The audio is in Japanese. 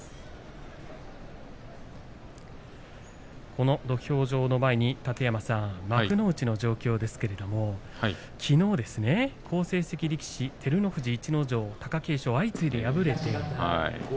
この土俵上の前に楯山さん幕内の状況ですけれどきのう、好成績力士照ノ富士、逸ノ城、貴景勝相次いで敗れました。